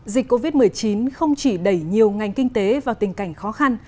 dịch covid một mươi chín không chỉ đẩy nhiều ngành kinh tế vào tình cảnh khó khăn